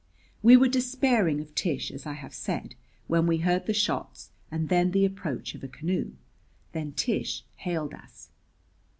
We were despairing of Tish, as I have said, when we heard the shots and then the approach of a canoe. Then Tish hailed us.